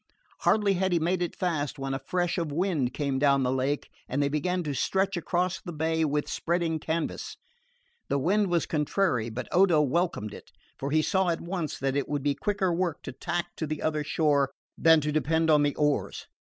Hardly had he made it fast when a fresh of wind came down the lake and they began to stretch across the bay with spreading canvas. The wind was contrary, but Odo welcomed it, for he saw at once that it would be quicker work to tack to the other shore than to depend on the oars.